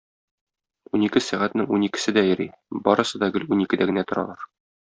Унике сәгатьнең уникесе дә йөри, барысы да гел уникедә генә торалар.